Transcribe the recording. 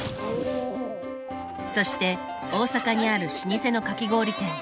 そして大阪にある老舗のかき氷店。